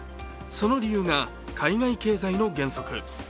その理由が海外経済の減速。